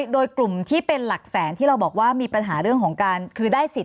โดยกลุ่มที่เป็นหลักแสนที่เราบอกว่ามีปัญหาเรื่องของการคือได้สิทธ